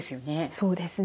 そうですね。